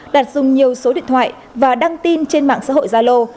đạt dùng nhiều số điện thoại và đăng tin trên mạng xã hội gia lô